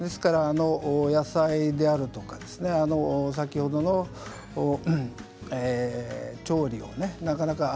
野菜であるとか先ほどの調理をね